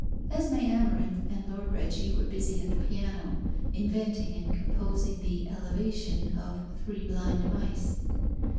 Esmé Amarinth and Lord Reggie were busy at the piano, inventing and composing the elevation of "Three blind mice."